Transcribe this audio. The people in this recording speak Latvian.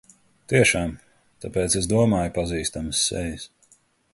Tiešām! Tāpēc es domāju pazīstamas sejas.